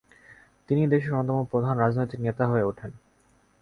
তিনি দেশের অন্যতম প্রধান রাজনৈতিক নেতা হয়ে ওঠেন।